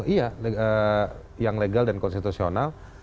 iya yang legal dan konstitusional